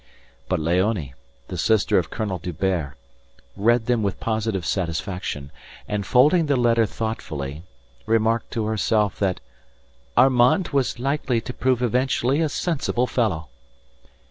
But Léonie, the sister of Colonel D'Hubert, read them with positive satisfaction, and folding the letter thoughtfully remarked to herself that "Armand was likely to prove eventually a sensible fellow."